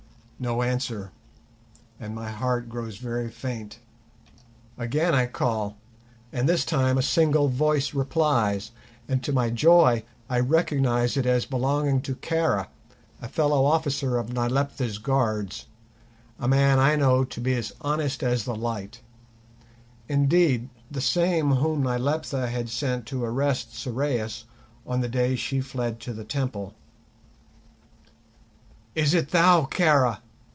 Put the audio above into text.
_" No answer, and my heart grows very faint. Again I call, and this time a single voice replies, and to my joy I recognize it as belonging to Kara, a fellow officer of Nyleptha's guards, a man I know to be as honest as the light—indeed, the same whom Nyleptha had sent to arrest Sorais on the day she fled to the temple. "Is it thou, Kara?"